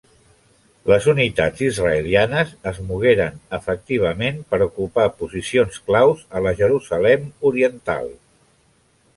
Les unitats israelianes es mogueren efectivament per ocupar posicions claus a la Jerusalem Oriental.